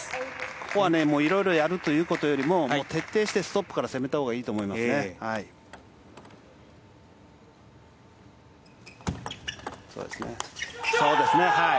ここはいろいろやることよりも徹底してストップから攻めたほうがいいと思います。